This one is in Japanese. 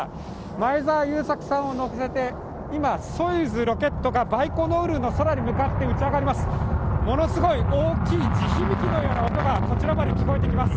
前澤友作さんを乗せて今、ソユーズがバイコヌールの空に向かって打ち上がります。